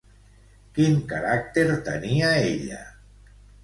Quin caràcter tenia ella?